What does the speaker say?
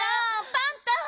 パンタ！